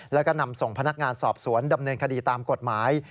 แล้วก็นำส่งพนักงานสอบสวนดำเนินคดีตามกฎหมาย